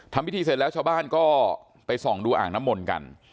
ทำพิธีเสร็จแล้วชาวบ้านก็ไปส่องดูอ่างน้ำมนต์กัน